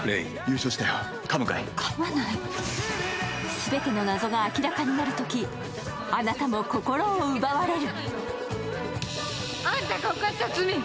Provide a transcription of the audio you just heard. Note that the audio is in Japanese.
全ての謎が明らかになるとき、あなたも心を奪われる。